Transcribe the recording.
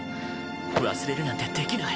忘れるなんてできない。